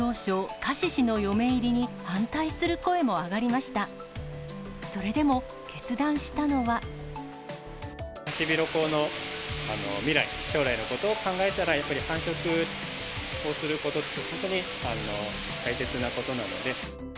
ハシビロコウの未来、将来のことを考えたら、やっぱり繁殖をすることって、本当に大切なことなので。